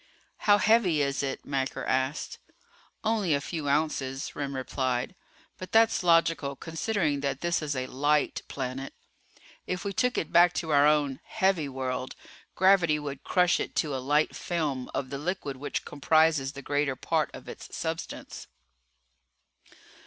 "How heavy is it?" Macker asked. "Only a few ounces," Remm replied. "But that's logical considering that this is a 'light' planet. If we took it back to our own 'heavy' world, gravity would crush it to a light film of the liquid which comprises the greater part of its substance."